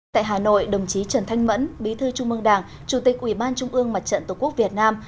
tại hà nội đồng chí trần thanh mẫn bí thư trung mương đảng chủ tịch ủy ban trung ương mặt trận tổ quốc việt nam